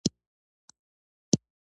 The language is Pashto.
د اپلیکیشن غږ مې بند کړ.